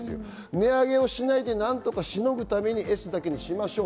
値上げをしないで何とかしのぐためにＳだけにしましょう。